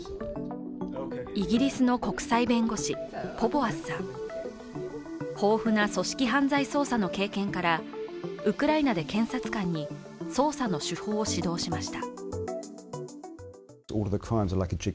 イギリスの国際弁護士、ポヴォアスさん豊富な犯罪捜査の経験から、ウクライナで検察官に捜査の手法を指導しました。